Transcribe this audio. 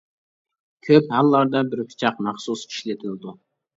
كۆپ ھاللاردا بىر پىچاق مەخسۇس ئىشلىتىلىدۇ.